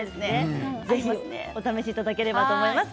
ぜひお試しいただけたらと思います。